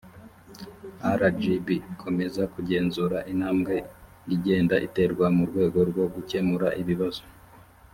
rgb izakomeza kugenzura intambwe igenda iterwa mu rwego rwo gukemura ibibazo